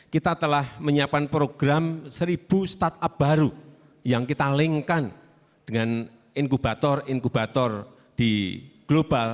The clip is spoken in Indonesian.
kita telah menyiapkan program seribu startup baru yang kita link kan dengan inkubator inkubator di global